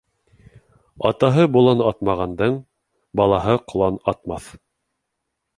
Атаһы болан атмағандың балаһы ҡолан атмаҫ.